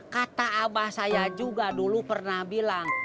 kata abah saya juga dulu pernah bilang